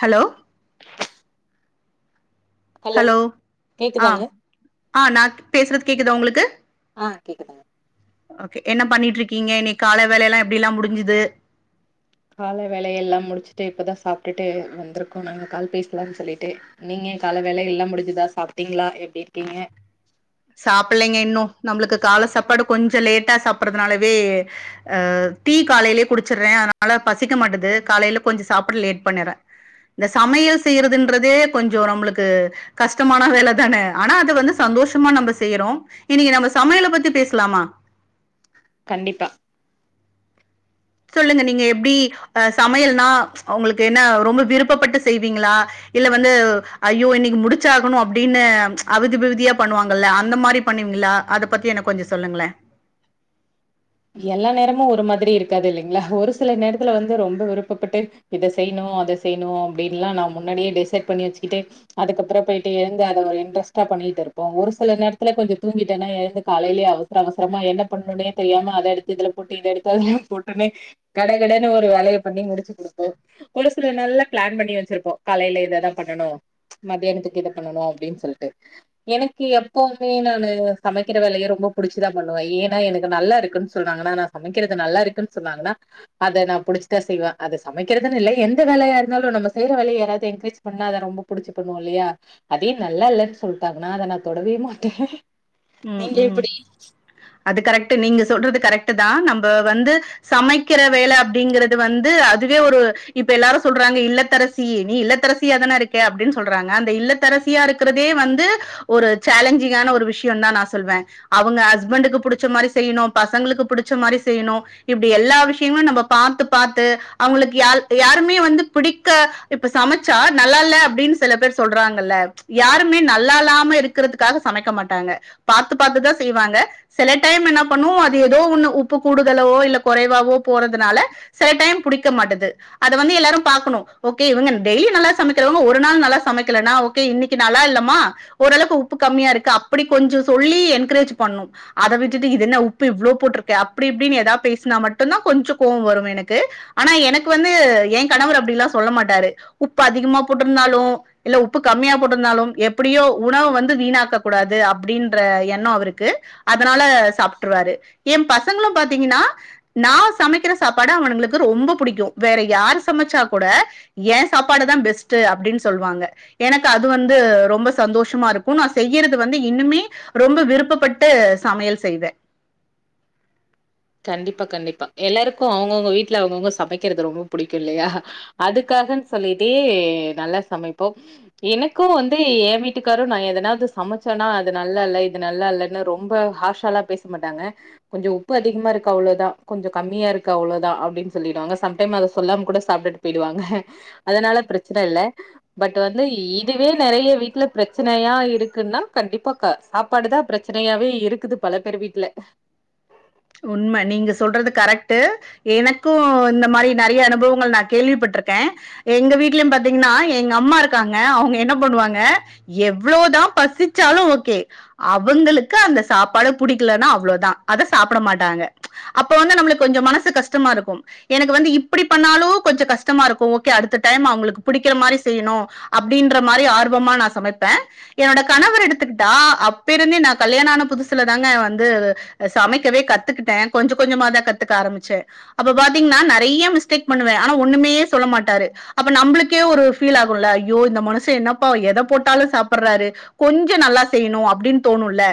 Hello hello ஆ கேக்குதாங்க ஆ நா [inaudible] பேசுறது கேக்குதா உங்ளுக் ஆ கேக்குதுங்க ஓகே என்ன பண்ணிட்ருக்கீங்க இன்னைக் கால வேலலா எப்டிலா முடிஞ்சுது கால வேலை எல்லாம் முடிச்சுட்டு இப்பதா சாப்ட்டுட்டு வந்துருக்கோ நாங்க கால் பேசலான் சொல்லிட்டு நீங்க க கால வேலை எல்லாம் முடிஞ்சுதா சாப்ட்டிங்ளா எப்டிருக்கீங்க சாப்பில்லிங்க இன்னு நம்புளுக்கு கால சாப்பாடு கொஞ்சோ லேட்டா சாப்பறதுனாலவே அ டீ காலைலே குடிச்சர்றே அதனால பசிக்க மாட்டுது காலைல கொஞ்சோ சாப்ட லேட் பண்ணிர்றே இந்த சமையல் செய்றதுன்றதே கொஞ்சோ நம்ளுக்கு கஷ்டமான வேல தான ஆனா அது வந்து சந்தோஷ் மா நம்ப செய்றோ இன்னைக்கு நம்ம சமையல பத்தி பேசலாமா கண்டிப்பா சொல்லுங்க நீங்க எப்டி அ சமையல்னா உங்ளுக்கு என்னா ரொம்ப விருப்பப்பட்டு செய்வீங்ளா இல்ல வந்து ஐயோ இன்னைக்கு முடிச்சாகுணு அப்டின்னு அவுதிவிவுதியா பண்ணுவாங்கல்ல அந்த மாரி பண்ணி ங்கிளா அத பத்தி எனக்கு கொஞ்சோ சொல்லுங்ளே எல்லா நேரமு ஒரு மாதிரி இருக்காது இல்லிங்களா ஒரு சில நேரத்துல வந்து ரொம்ப விருப்பப்பட்டு இத செய்ணு னோட அத செய்னோ அப்டின்லா நா முன்னாடியே டிசைட் பண்ணி வெச்சிகிட்டு அதுக்கப்புறோ போய்ட்டு எழுந்த அத ஒரு இன்ட்ரெஸ்டாப் பண்ணிட்டிருப்போ ஒரு சில நேரத்தில கொஞ்சோ தூங்கிட்டேனா எழுந்து காலைலியே அவசர அவசரமா என்ன பண்ணுனே தெரியாம அத எடுத்து இதுல போட்டு இத எடுத்து அதுல போட்டுன்னே கட கடன்னு ஒரு வேலய பண்ணி முடிச்சி குடுப்போ ஒரு சில நாள்ள பிளான் பண்ணி வெச்சிருப்போம் காலைல இததா பண்ணனு மத்தியானத்துக்கு இத பண்ணணு அப்டின் சொல்ட்டு எனக்கு எப்பவுமே நானு சமைக்கிற வேலைய ரொம்ப புடிச்சிதா பண்ணுவ ஏன்னா எனக்கு நல்லாருக்குன் சொல்றாங்கன்னா நா சமைக்கிறது நல்லா இருக்குன் சொன்னாங்கன்னா அத நா புடிச்சிதா செய்வ அத சமைக்கிறதுன் இல்ல எந்த வேலையாருந்தாலு நம்ம செய்யற வேலைய யாராவது என்கரேஜ் பண்ண அத ரொம்ப புடிச்சி பண்ணுவோ இல்லையா அதே நல்ல இல்லன் சொல்ட்டா ங்கனா அத நா தொடவே மாட்ட ம் ம் அது கரெக்ட் டு நீங்க சொல்றது கரெக்ட்டு தா நம்ப வந்து சமைக்கிற வேல அப்டிங்கறது வந்து அதுவே ஒரு இப்ப எல்லாரு சொல்றாங்க இல்லத்தரசி நீ இல்லத்தரசிய தானருக்க அப்டின் சொல்றாங்க அந்த இல்லத்தரசியாருக்குற தே வந்து ஒரு சேலஞ்சிங்கான ஒரு விஷ் யோந்தா தா நா சொல்வ அவங்க ஹஸ்பண்டக்கு புடிச்ச மாரி செய்யிணு பசங்களுக்கு புடிச்ச மாரி செய்யிணு இப்டி எல் எல்லா விஷயங்களு நம்ப பாத்து பாத்து அவுங்களுக்கு யால் யாருமே வந்து பிடிக்க இப்ப சமச்சா நல்லால்ல அப்டின் செல பேர் சொல்றாங்கல்ல யாருமே நல்லால்லாம இருக்குறதுக்காக சமைக்க மாட்டாங்க பாத்து பாத்து தா செய்வாங்க செல டைம் என்ன பண்ணுவோ அது ஏதோ ஒண்ணு உப்பு கூடுதலவோ இல்ல கொறைவா லோ போறதுனால செல டைம் புடிக்க மாட்டது அத வந்து எல்லாரு பாக்கணு ஓகே இவங்க டெய்லி நல்லா ச சமைக்கிறவங்க ஒரு நாள் நல்லா சமைக்கலனா ஓகே இன்னிக்கு நல்லால்லமா ஓரளவுக்கு உப்பு கம்மியாருக்கு அப்டி கொஞ்சோ சொல்லி என்கரேஜ் பண்ணு அத விட்டுட்டு இது என்ன உப்பு இவ்ளோ போட்ருக்க அப்டி இப்டின் ஏதாவ் பேஸ்னாமட் டுந்தா கொஞ்சோ கோவ் வரு எனக்கு ஆனா எனக்கு வந்து ஏ கணவரு அப்டில்லா சொல்ல மாட்டாரு உப்பா அதிகமா போட்டுந்தாலு இல்ல உப்பு கம்மியா போட்டுந்தாலு எப்டியோ உணவு வந்து வீணாக்கக்க கூடாது அப் அப்டின்ற எண்ணோ அவருக்கு அதனால சாப்ட்ருவாரு ஏ பசங்களு பாத்தீங்கன்னா நா சமைக்கிற சாப்பாட அவனுங்களுக்கு ரொம்ப புடிக்கு வேற யார் சமச்சா கூட ஏ சாப்பாடு தா பெஸ்ட்டு அப்டின் சொல்வாங்க எனக்கு அது வந்து ரொம்ப சந்தோஷமாருக்கு நா செய்யறது வந்து இன்னுமே ரொம்ப விருப்பப்பட்டு சமையல் செய்வ கண்டிப்பா கண்டிப்பா எல்லாருக்கு அவுங்கவுங்க வீட்ல அவுங்கவுங்க சமைக்கிறது ரொம்ப புடிக்கு இல்லையா அதுக்கா காகன் சொல்லிட்டே நல்லா சமைப்போ எனக்கு வந்து ஏ வீட்டுக்காரு நா எதனாது சமச்சோனா அது நல்லால்ல இது நல்லால்லன்னு ரொம்ப ஹார்ஷாலா பேச மாட்டாங்க கொஞ்சோ உப்பு அதிக் அதிகமாருக்கு அவ்ளோதா கொஞ்சோ கம்மியாருக்கு அவ்ளோதா அப்டின் சொல்லிடுவாங்க சம்டைம் அத சொல்லாம கூட சாப்ட்டுட்டு போயிடுவாங்க அதனால பிரச்சன இல்ல பட் வந்து இதுவே நெறைய வீட்ல பிரச்சனையாருக் இருக்குன்னா கண்டிப்பா க சாப்பாடுதா பிரச்சனையாவே இருக்குது பல பேர் வீட்ல உண்ம நீங்க சொல்றது கரெக்ட்டு எனக்கு இந்த மாறி நெறைய அனுபவங்கள் நா கேள்விப்பட்ருக்க அ எங்க வீட்லயு பாத்திங்ன்னா எங்க அம்மாருக்காங்க அவுங்க என்ன பண்ணுவாங்க எவ்ளோதா பசிச்சாலு ஓக்கே அவுங்ளுக்கு அந்த சாப்பாடு புடிக்கலன்னா அவ்ளோதா அத ஸ் சாப்ட மாட்டாங்க அப்போ வந்து நம்ளுக் கொஞ்சோ மனசு கஷ்டமாருக்கு எனக்கு வந்து இப்டி பண்ணாலு கொஞ்சோ கஷ்டமாருக்கு ஓக்கே அடுத்த டைம் அவுங்ளுக்கு புடிக்கிற மாறி செய்ணு அப்டின்ற மாறி ஆர்வமா நா சமைப்பே என்னோட கணவர் எடுத்துக்குட்டா அப்பேருந்தே நா கல்யாண ஆன புதுசுல தாங்க வந்து அ சமைக்கவே கத்துக்குட்ட கொஞ்ச கொஞ்சமா தா கத்துக்க ஆரம்மிச்ச அப்ப பாத்திங்ன்னா நெறைய மிஸ்டேக் பண்ணுவே ஆனா ஒண்ணுமே சொல்ல மாட்டாரு அப்ப நம்புளுக்கே ஒரு ஃபீல் ஆகும் ல ஐயோ இந்த மனுச என்னப்பா எத போட்டாலு சாப் சாப்பற்றாரு கொஞ்சோ நல்லா செய்ணு அப்டின் தோணுல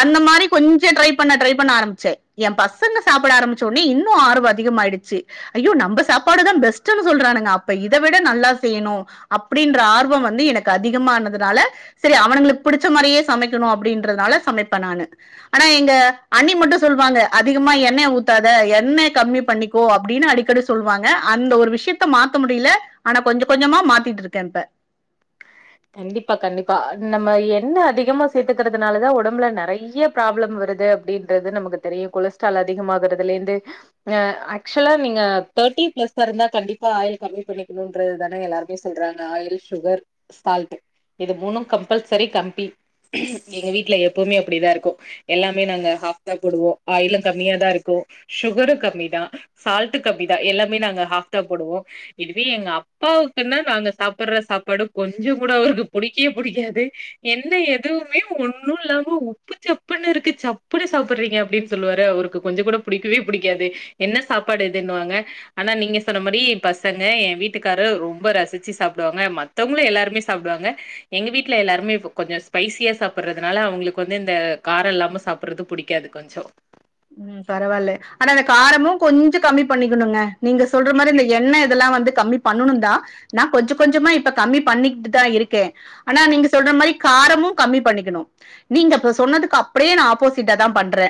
அந்த மாறி கொஞ்ச ட்ரைப் பண்ண ட்ரைப் பண்ண ஆரம்மிச்ச ஏ பசங்க சாப்ட ஆரம்மிச்ச ஒட்னே இன்னு ஆர்வோ அதிகமாயிடிச்சி ஐயோ நம்ப சாப்பாடு தா பெஸ்ட்டுன்னு சொல்றானுங்க அப்ப இத விட நல்லா செய்யணு அப்டின்ற ஆர்வோ வந்து எனக்கு அதிகமானதுனால அ செரி அவனுங்ளுக் புடிச்ச மாறியே சமைக்கணு அப்டின்றதுனால சமைப்ப நானு ஆனா எங்க அண்ணி மட்டு சொல்வாங்க அதிகமா எண்ணெய ஊத்தாத எண்ணெய கம்மி பண்ணிக்கோ அப்டின்னு அடிக்கடி சொல்வாங்க அந்த ஒரு விஷ்யத்த மாத்த முடியில ஆனா கொஞ்சோ கொஞ்சமா மாத்திட்ருக்க இப்ப கண்டிப்பா கண்டிப்பா நம்ம எண்ணெ அதிகமா சேத்துக்குறதுனாலதா ஒடம்புல நெறைய ப்ராப்ளம் வ ருது அப்டின்றது நமக்கு தெரியு கொலஸ்ட்ரால் அதிகமாகுறதுலேந்து ஆக்ச்வலா நீங்க தொத் தேர்ட்டின் பிளஸ்ஸா இருந்தா கண்டிப்பா ஆயில் கம்மி பண்ணிக்குணுன்றது தானே எல்லாருமே சொல்றாங்க ஆயில் ஸ்சுகர் சால்ட்டு இது மூணும் கம்பல்செரி கம்ப்பி எங்க வீட்ல எப்பவுமே அப்டிதாருக்கு எல்லாமே நாங்க ஆஃப் தா போடுவோ ஆயிலும் கம்மியா தாருக்கூ ஸ்சுகரு கம்மி தா சால்ட்டு கம்மி தா எல்லாமே நாங்க ஆஃப் தா போடுவோ இதுவே எங்க அப் ப்பாவுக்குனா நாங்க சாப்ற சாப்பாடும் கொஞ்சோ கூட அவருக்கு புடிக்கே புடிக்காது என்ன எதுவுமே ஒன்னுல்லாம உப்பு சப்பு புனுருக்கு சப்புன சாப்புறீங்க அப்டின் சொல்வாரு அவுருக்கு கொஞ்சோ கூட புடிக்கவே புடிக்காது என்ன சாப்பாடு இதுன் வாங்க ஆனா நீங்க சொன்ன மாறி பசங்க என் வீட்டுக்காரு ரொம்ப ரசிச்சி சாப்டுவாங்க மத் த்தவங்களு எல்லாருமே சாப்டுவாங்க எங்க வீட்ல எல்லாருமே கொஞ்சோ ஸ்பைசியா சாப்றதுனால அவுங்ளுக் வந்து இந்த கார இல்லாம சாப்றது புடிக்காது கொஞ்சோ ம் பரவால்ல ஆனா இந்த காரமு கொஞ்சோ கம்மி பண்ணிக்கணுங்க நீங்க சொல்ற மாறி இந்த எண்ணெ இதெல்லா வந்து கம்மி பண்ணணுந் தா நா கொஞ்ச கொஞ்சோமா இப்ப கம்மி பண்ணிகிட்டு தா இருக்கே ஆனா நீங்க சொல்ற மாறி கா காரமூ கம்மி பண்ணிக்கணு நீங்க இப்ப சொன்னதுக்கு அப்டியே நா ஆப்போசிட்ட தா பண்றே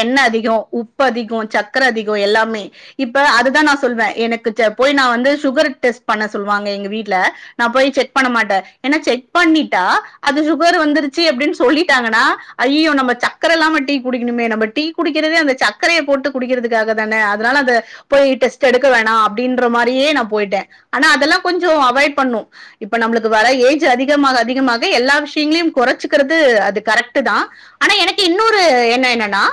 எண்ண அதிகோ உப்பு அதிகோ சக்கர அதிகோ எல்லாமே இப்ப அதுதா நா சொல்வே எனக்கு போய் நா வந்து சுகரு டெஸ்ட் பண்ண சொல்வாங்க எங்க வீட்ல நா போய் செக் பண்ண மாட்ட ஏனா செக் பண்ணிட்டா அ அதுக்பேரு வந்துருச்சி அப்டின் சொல்லிட்டாங்கனா ஐய்யயோ நம்ப சக்கர இல்லாம டீ குடிக்குணுமே நம்ப டீ குடிக்கிறதே அந்த சக்கரய போட்டு குடிக்கிறதுக்காக தானே அதனால அத போய் டெஸ்ட் எடுக்க வேணா அப்டின்ற மா றியே நா போய்ட்டே ஆனா அதெல்லா கொஞ்சோ அவாய்ட் பண்ணு இப்ப நம்புளுக்கு வர ஏஜ் அதிகமாக அதிகமா எல்லா விஷ்யங்களையு கொறச்சுக்கிறது அது கரெக்ட்டு தா ஆனா எனக்கு இன்னொரு என்னோ என்னன்னா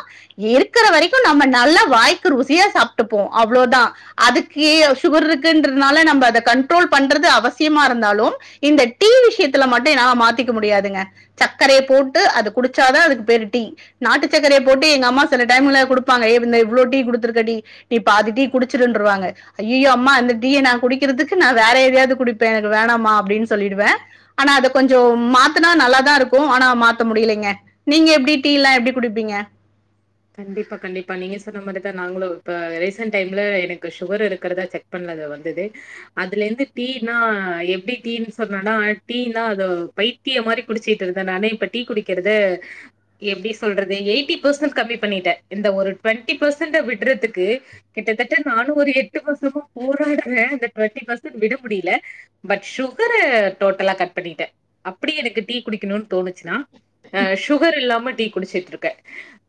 இருக்குற வரைக்கு நம்ம நல்லா வாய்க்கு ருசியா சாப்ட்டுப்போ அவ்ளோதா அதுக்கே சுகர் இருக்குன்றனால நம்ப அத கண்ட்ரோல் பண்றது அவசியமா இருந்தாலு இந்த டீ விஷ்யத்ல மட்டு என்னா மாத்திக்க முடியாதுங்க சக்கரயப் போட்டு அது குடிச்சாதா அதுக்கு பேரு டீ நாட்டு சக்கரய போட்டு எங்க அம்மா சில டைம்ல குடுப்பாங்க ஏ இந்த இவ்ளோ டீ குடுத்துருக்கடி நீ பாதி டீ குடிச்சிருன்றுவாங்க ஐய்யயோ அம்மா இந்த டீய நா குடிக்கிறதுக்கு நா வேற எதாயாது குடிப்பே எனக்கு வேணாமா அப்டின்னு சொல்லிடுவே ஆனா அது கொஞ்சோ மாத்துனா நல்லாதாருக்கு ஆனா மாத்த முடியலேங்க நீங்க எப்டி டீ எல்லா எப்டி குடிப்பீங்க கண்டிப்பா கண்டிப்பா நீங்க சொன்ன மாறிதா நாங்களு இப்ப ரீசென்ட் டைம்ல எனக்கு சுகர் இருக்குறதா செக் பண்ண அது வந்துது அதுலேந்து டீனா எப்டி டீனு சொல்றேனா டீனா அத பய்த் த்திய மாறி குடிச்சிட்ருந்தே நானு இப்ப டீ குடிக்கிறது எப்டி சொல்றது எய்ட்டி ஃப்சன்ட் கம்மிப் பண்ணிட்டே இந்த ஒரு டொன்ட்டி ஃப்சன்ட் விட்றதுக்கு கிட்டத்தட்ட நானு ஒரு எட்டு வர்ஷமா போரா [unintelligible] இந்த டொன்ட்டி ஃப்சன்ட் விட முடில பட் சுகர டோட்டலா கட் பண்ணிட்டே அப் அப்டி எனக்கு டீ குடிக்கணுனு தோணுச்சினா ஆ சுகர் இல்லாம டீ குடிச்சிட்டுருக்க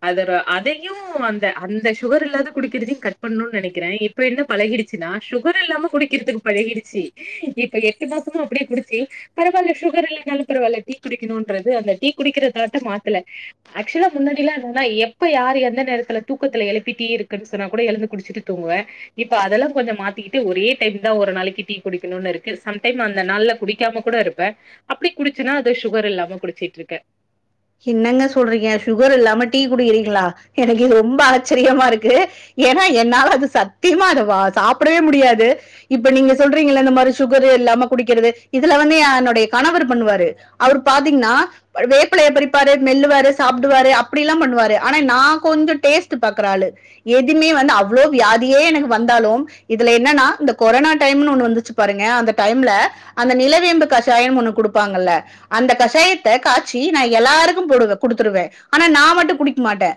அத த அதயூ அந்த அந்த சுகர் இல்லாது குடிக்கிறதயு கட் பண்ணுனு நெனைக்கிறே இப்ப என்ன பழகிடுச்சினா சுகர் சுகர் இல்லாம குடிக்கிறதுக்கு பழகிடுச்சு இப்ப எட்டு மாசமு அப்டியே குடுச்சு பரவால்ல சுகர் இல்லைனாலு பரவால்ல டீ குடிக்கணுன்றது அந்த டீ குடிக்கிறதாட்ட மாத்தல ஆக்சுவலா முன்னாடில்லா என்னன்னா எப் ப யாரு எந்த நேரத்துல தூக்கத்துல எழுப்பி டீ இருக்குனு சொன்னா கூட எழுந்து குடுச்சிட்டு தூங்குவே இப்ப அதெல்லா கொஞ்சோ மாத்தி கிட்டு ஒரே டைம் தா ஒரு நாளைக்கு டீ குடிக்கணுன்னு இருக்கு சம் டைம் அந்த நாள்ல குடிக்காம கூட இருப்பே அப்டி குடிச்சுன்னா அத சுகர் இல்லாம குடுச்சிட்ருக்கே என்னங்க சொல்றீங்க சுகர் இல்லாம டீ குடிக்கிறீங்களா எனக்கு இது ரொம்ப ஆச்சரியமா இருக்கு ஏன்னா என்னால அது சத்தியமா அத வா சாப்டவே முடியாது இப்ப நீங்க சொல்றீங்கள இந்த மாதிரி சுகரு இல்லாம குடிக்கிறது இதுல வந்து ஏ என்னுடைய கணவர் பண்ணுவாரு அவர் பாத்தீங்னா வேற் வேப்பில்லய பரிப்பாரு மெல்லுவாரு சாப்டுவாரு அப்டியில்லாம் பண்ணுவாரு ஆனா நா கொஞ்சோ டேஸ்ட் பாக்குற ஆளு எதுமே வந்து அவ்ளோ வியாதியே எனக்கு வந்தாலு இதுல என்னன்னா இந்த கொரோனா டைம்னு ஒன்னு வந்துச்சு பாருங்க அ அந்த டைம்ல அந்த நிலவேம்பு கஷாயம் ஒண்ணு குடுப்பாங்கல்ல அந்த கஷாயத்த காச் சீ நா எல்லாருக்கு போடுவே குடுத்துருவே ஆனா நா மட்டு குடிக்க மாட்டே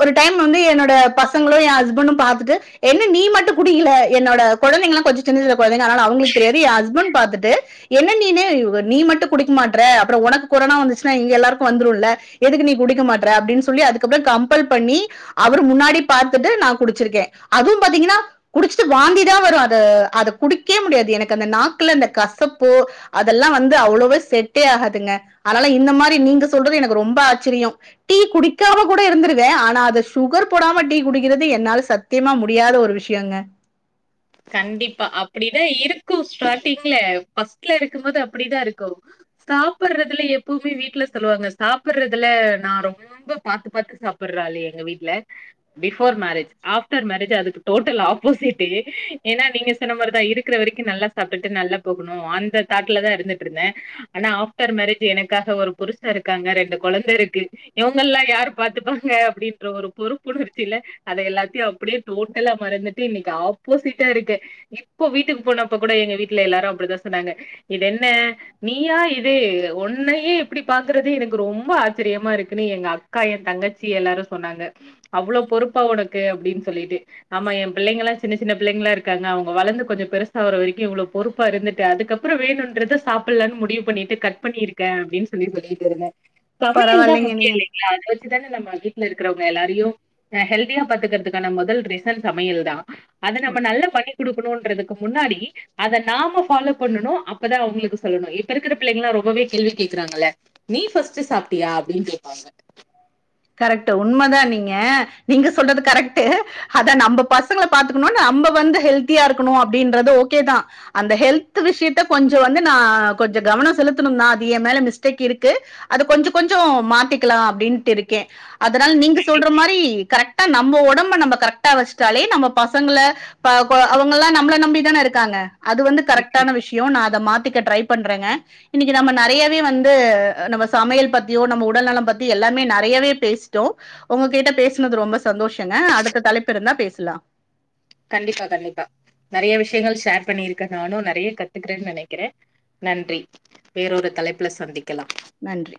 ஒரு டைம் வந்து என்னோட ப சங்களு ஏ ஹஸ்பண்டு பாத்துட்டு என்ன நீ மட்டு குடிக்கல என்னோட கொழந்தைகளா கொஞ்சோ சின்ன சின்ன கொழந்தைங்க அதுனால அவுங்களுக் தெரி ஏ ஹஸ்பண்ட் பாத்துட்டு என்ன நீனு வ் நீ மட்டு குடிக்க மாட்டற அப்றோ ஒனக்கு கொரோனா வந்துச் சுனா இங்க எல்லாருக்கு வந்துருல எதுக்கு நீ குடிக்க மாட்ற அப்டின்னு சொல்லி அதுக்கப்றோ கம்பல் பண்ணி அவர் முன்னாடி பாத்துட்டு நா குடிச்சிருக்கே அதுவும் பாத்தீங்கன்னா குடிச்சுட்டு வாந்திதா வரு அது அத குடிக்கே முடியாது எனக்கு அந்த நாக்குல அந்த கசப்போ அதெல்லா வந்து அவ்ளோவு செட்டே ஆகாதுங்க ஆலால இந் இந்த மாரி நீங்க சொல்றது எனக்கு ரொம்ப ஆச்சரியோ டீ குடிக்காம கூட இருந்திருவே ஆனா அது சுகர் போடாம இப்ப டீ குடிக்கிறது என்னால சத்தியமா முடியாத ஒரு விஷயங்க கண்டிப்பா அப்டிதா இருக்கு ஸ்டார்ட்டிங்ல ஃபர்ஸ்ட்ல இருக்கும்போது அப்டிதா இருக்கு சாப்புர்றதுல எப்பவுமே வீட்ல சொல்லுவாங்க சாப்புர்றதுல நா ரொம்ப பாத்து பாத்து சாப்புட் ஒர் ஆளு எங்க வீட்ல பிஃபோர் மேரேஜ் ஆஃப்டர் மேரேஜ் அதுக்கு டோட்டல் ஆப்போசிட்டு ஏன்னா நீங்க சொன்ன மாரிதா இருக்குற வரைக்கு நல்லா சாப்ட்டுட்டு நல்லா போகணு அந்த தாட்டுல தா இருந்துட்டுருந்தே நா ஆஃப்டர் மேரேஜ் எனக்காக ஒரு புருஷ இருக்காங்க ரெண்டு கொழந்தருக்கு இவுங்கல்லா யாரு பாத்துப்பாங்க அப்டின்ற ஒரு பொறுப்புணர்ச்சில அத எல்லாத்தையு அப்படியே டோட்டலா மறந்துட்டு இன்னைக்கு ஆப்போசிட் ட்டா இருக்கு இப்போ வீட்டுக்கு போனப்ப கூட எங்க வீட்ல எல்லாரு அப்டிதா சொன்னாங்க இது என்ன நீயா இதே ஒன்னையே இப்டி பாக்குறது எனக்கு ரொம்ப ஆச்சரியமா இருக்குன்னு எங்க அக்கா என் தங்கச்சி எல்லாரு சொன்னாங்க அவ்ளோ பொறுப்பா உனக்கு அப்டின் சொல்லிட்டு ஆமா எம் பிள்ளைங்களா சின்ன சின்ன பிள்ளைங்களா இருக்காங்க அவுங்க வளந்து கொஞ்ச பெருசா வர வரைக்கு இவ்ளோ பொறுப்பா இருந்துட்டு அதுக்கப்புறோ வேணுன்றத சாப்ட்லனு முடிவு பண்ணிட்டு கட் பண்ணிருக்கே அப்டின் சொல்லி சொல்லிட்டுருந்தே சமையல் தா பரவாயில்லைங்க நீங்க. முக்கியோ இல்லைங்களா இத்தானே நம்ம வீட்ல இருக்குறவங்க எல்லாரையு அ ஹெல்தியா பாத்துக்கறதுக்கான முதல் ரீசன் சமையல் தா அத நம்ம நல்லா பண்ணி குடுக்கணுன்றதுக்கு முன்னாடி அத நாம ஃபாலோ பண்ணணு அப்பதா அவுங்களுக்கு சொல்லணு இப்ப இருக்கிற பிள்ளைங்களா ரொ ரொம்பவே கேள்வி கேக்குறாங்கல்ல நீ ஃபர்ஸ்ட் சாப்ட்டியா அப்டின்னு கேப்பாங்க கரெக்டு உண்ம தா நீங்க நீங்க சொல்றது கரெக்டு அத நம்ப பசங்கள பாத்துக்கணுனு நம்ப வந்து வந்து ஹெல்தியா இருக்கணு அப்டின்றது ஓகே தா அந்த ஹெல்த் விஷயத்த கொஞ்ச வந்து நா கொஞ்ச கவ செலுத்தணு தா அது ஏம் மேல மிஸ்டேக் இருக்கு அது கொஞ்சோ கொஞ்சோ மாத்திக்கலா அப்டின்ட்டு இருக் ஓகே அதனால நீங்க சொல்ற மாரி கரெக்ட் கரெக்டா நம்ம ஒடம்ப நம்ம கரெக்டா வச்சுட்டாலே நம்ம பசங்கள ப்ப கொ அவங்கல்லா நம்பள நம்பி தான இருக்காங்க அது வந்து கரெக்டான விஷ்யோ நா அத மாத் திக்க ட்ரை பண்றேங்க இன்னைக்கு நம்ம நெறையாவே வந்து நம்ம சமையல் பத்தியோ நம்ம உடல்நலம் பத்தி எல்லாமே நெற நெறையவே பேசிட்டோ உங்ககிட்ட பேசுனது ரொம்ப சந்தோஷங்க அடுத்த தலைப்புருந்தா பேசலா கண்டிப்பா கண்டிப்பா நெறைய விஷயங்கள் ஷேர் பண்ணிருக்கே நானு நெறைய கத்துக்குறேன்னு நெனைக்கிறே நன்றி வேறொரு தலைப்புல சந்திக்கலா நன்றி